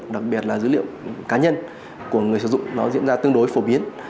đặc biệt là dữ liệu cá nhân của người sử dụng nó diễn ra tương đối phổ biến